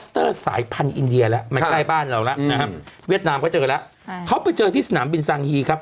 เขาไปเจอที่สนามบินสางฮีครับ